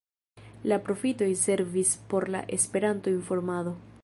La profitoj servis por la Esperanto-informado.